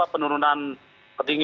suatu satunya penurunan air yang terdengar